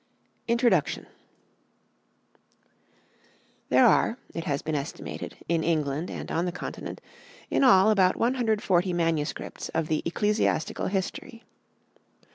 INTRODUCTION There are, it has been estimated, in England and on the Continent, in all about 140 manuscripts of the "Ecclesiastical History."